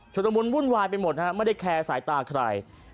ชุดละมุนวุ่นวายไปหมดฮะไม่ได้แคร์สายตาใคร